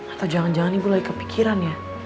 atau jangan jangan ibu lagi kepikiran ya